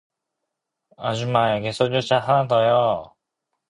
아줌마, 여기 소주잔 하나 더요.